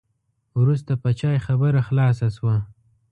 وروسته په چای خبره خلاصه شوه.